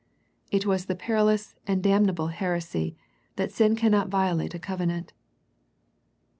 It was the perilous and damnable heresy that sin cannot violate a covenant.